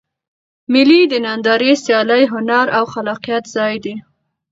مېلې د نندارې، سیالۍ، هنر او خلاقیت ځای دئ.